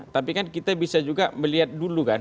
tapi kan kita bisa juga melihat dulu kan